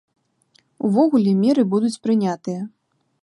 Увогуле, меры будуць прынятыя.